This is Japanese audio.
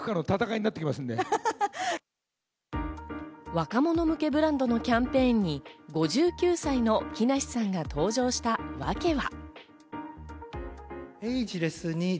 若者向けブランドのキャンペーンに５９歳の木梨さんが登場したわけは。